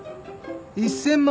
１，０００万